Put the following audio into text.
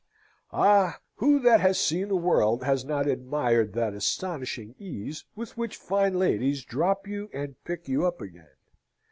Ah! who that has seen the world, has not admired that astonishing ease with which fine ladies drop you and pick you up again?